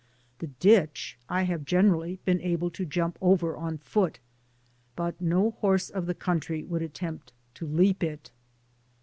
The ditch I have generally been able to jump over on foot, but no horse of the country would attempt to leap it.